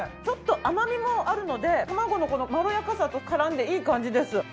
ちょっと甘みもあるので卵のこのまろやかさと絡んでいい感じです。